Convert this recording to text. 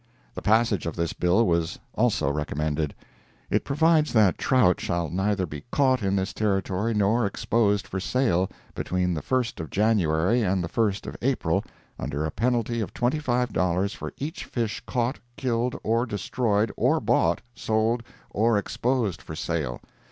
The passage of this bill was also recommended. [It provides that trout shall neither be caught in this Territory, nor exposed for sale, between the first of January and the first of April, under a penalty of $25 for each fish caught, killed or destroyed, or bought, sold or exposed for sale.